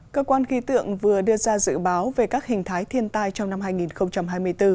cơ quan khí tượng vừa đưa ra dự báo về các hình thái thiên tai trong năm hai nghìn hai mươi bốn